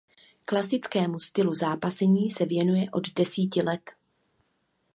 Klasickému stylu zápasení se věnuje od desíti let.